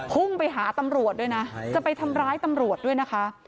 พุ่งไปหาตำรวจด้วยนะจะไปทำร้ายตำรวจด้วยนะคะ